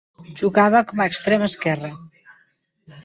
Jugava com a extrem esquerre.